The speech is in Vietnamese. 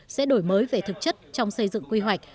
sẽ đổi mới về thực chất trong xây dựng quy hoạch